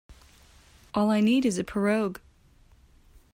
All I need is a pirogue.